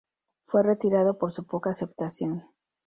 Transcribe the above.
Fue retirado por su poca aceptación.